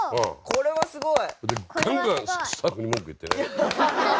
これはすごい！